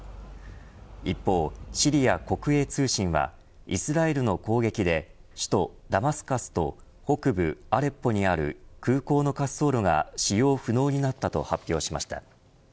一方、シリア国営通信はイスラエルの攻撃で首都ダマスカスと北部アレッポにある空港の滑走路が使用不能になったと発表しました。